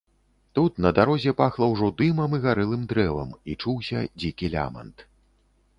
Тут, на дарозе, пахла ўжо дымам і гарэлым дрэвам і чуўся дзікі лямант.